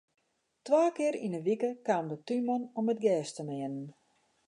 Twa kear yn 'e wike kaam de túnman om it gjers te meanen.